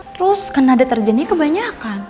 terus kena deterjennya kebanyakan